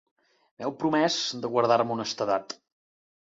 M'heu promès de guardar-me honestedat.